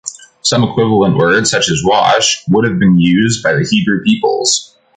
Some equivalent word, such as "wash", would have been used by the Hebrew peoples.